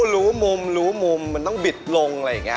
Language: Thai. รู้มุมรู้มุมมันต้องบิดลงอะไรอย่างนี้